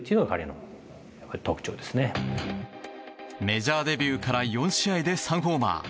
メジャーデビューから４試合で３ホーマー。